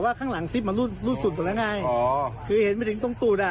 ว่าเขาจะกลับบ้านเหมือนเขาเมาหรืออย่างนี้หรือเปล่า